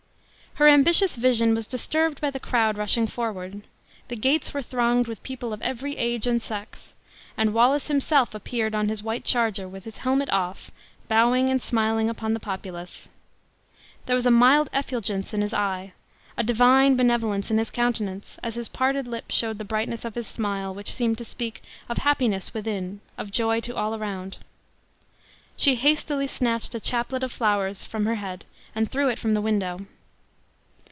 Her ambitious vision was disturbed by the crowd rushing forward; the gates were thronged with people of every age and sex, and Wallace himself appeared on his white charger, with his helmet off, bowing and smiling upon the populace. There was a mild effulgence in his eye; a divine benevolence in his countenance, as his parted lips showed the brightness of his smile, which seemed to speak of happiness within, of joy to all around. She hastily snatched a chaplet of flowers form her head, and threw it from the window.